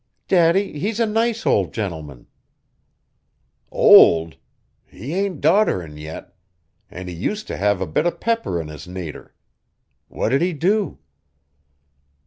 "Daddy! he's a nice old gentleman!" "Old? He ain't dodderin' yet. An' he use t' have a bit of pepper in his nater. What did he do?"